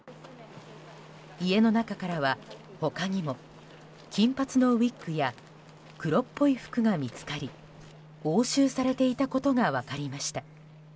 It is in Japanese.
家の中からは他にも金髪のウィッグや黒っぽい服が見つかり押収されていたことが分かりました。